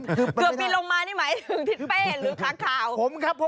เกือบบินลงมานี่หมายถึงทิศเป้หรือค้างข่าว